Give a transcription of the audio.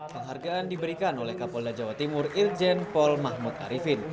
penghargaan diberikan oleh kapolda jawa timur irjen paul mahmud arifin